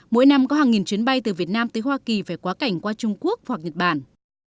mỗi năm có hàng nghìn chuyến bay từ việt nam tới hoa kỳ phải quá cảnh qua trung quốc hoặc nhật bản